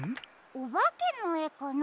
おばけのえかな？